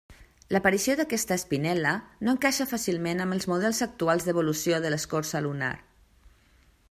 L'aparició d'aquesta espinel·la no encaixa fàcilment amb els models actuals d'evolució de l'escorça lunar.